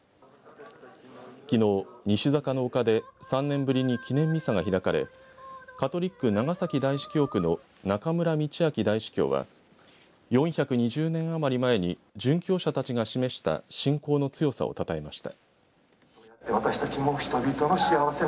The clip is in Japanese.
きのう西坂の丘で３年ぶりに記念ミサが開かれカトリック長崎大司教区の中村倫明大司教は４２０年あまり前に殉教者たちが示した信仰の強さをたたえました。